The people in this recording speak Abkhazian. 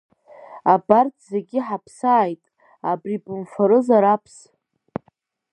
Абарҭ зегьы ҳаԥсааит, абри бымфарызар Аԥс.